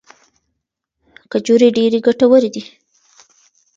کجورې ډیرې ګټورې دي.